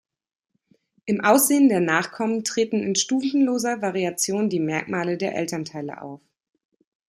Im Aussehen der Nachkommen treten in stufenloser Variation die Merkmale der Elternteile auf.